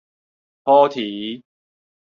滸苔